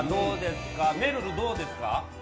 めるる、どうですか？